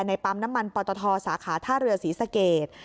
ปั๊มน้ำมันปตทสาขาท่าเรือศรีสเกต